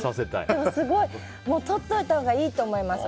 でもとっておいたほうがいいと思います。